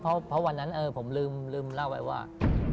เพราะวันนั้นผมลืมเล่าไว้ว่า